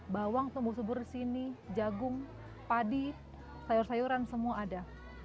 bawang tumbuh subur di sini jagung padi sayur sayuran semua ada